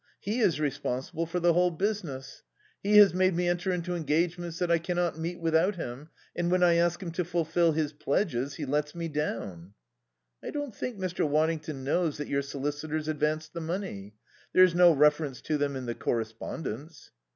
He is responsible for the whole business; he has made me enter into engagements that I cannot meet without him, and when I ask him to fulfil his pledges he lets me down." "I don't think Mr. Waddington knows that your solicitors advanced the money. There is no reference to them in the correspondence."